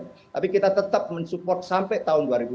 tapi kita tetap mensupport sampai tahun dua ribu dua puluh